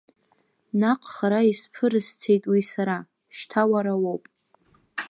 Наҟ хара исԥырысцеит уи сара, шьҭа уара уоуп…